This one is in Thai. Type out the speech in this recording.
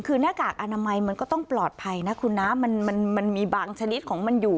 คือหน้ากากอนามัยมันก็ต้องปลอดภัยนะคุณนะมันมันมีบางชนิดของมันอยู่